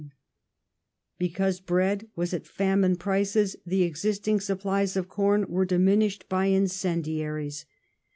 * N Because bread was at famine prices the existing supplies of corn were diminished by incendiaries.